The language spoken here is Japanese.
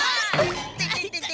いてててて。